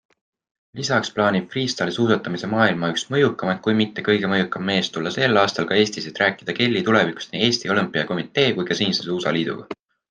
Lisaks plaanib freestyle-suusatamise maailma üks mõjukamaid, kui mitte kõige mõjukam mees tulla sel aastal ka Eestisse, et rääkida Kelly tulevikust nii Eesti Olümpiakomitee kui ka siinse suusaliiduga.